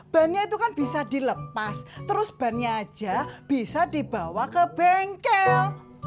bannya itu kan bisa dilepas terus bannya aja bisa dibawa ke bengkel